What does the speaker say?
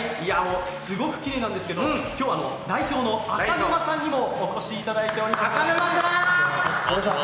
すごくきれいなんですけど今日は代表の赤沼さんにもお越しいただいています。